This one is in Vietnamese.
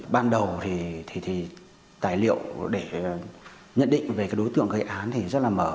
ban đầu thì tài liệu để nhận định về đối tượng cái án thì rất là mở